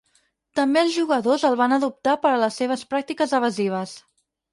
També els jugadors el van adoptar per a les seves pràctiques evasives.